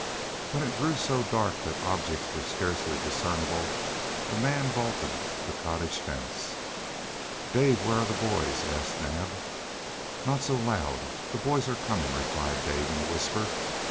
When it grew so dark that objects were scarcely discernible a man vaulted the cottage fence. "Dave, where are the boys?" asked Naab. "Not so loud! The boys are coming," replied Dave in a whisper.